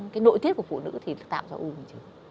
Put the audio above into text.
cái nội tiết của phụ nữ thì tạo ra u bùng trứng